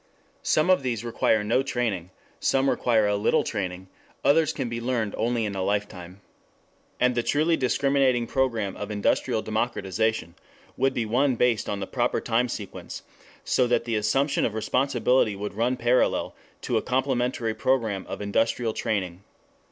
] Some of these require no training; some require a little training; others can be learned only in a lifetime. And the truly discriminating program of industrial democratization would be one based on the proper time sequence, so that the assumption of responsibility would run parallel to a complementary program of industrial training.